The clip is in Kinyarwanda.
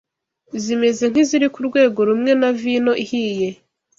zimeze nk’iziri ku rwego rumwe na vino ihiye,